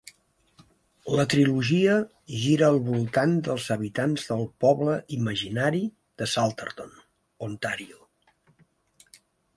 La trilogia gira al voltant dels habitants del poble imaginari de Salterton, Ontario.